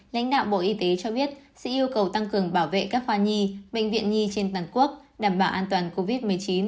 lãnh đạo bộ y tế cho biết sẽ yêu cầu tăng cường bảo vệ các khoa nhi bệnh viện nhi trên toàn quốc đảm bảo an toàn covid một mươi chín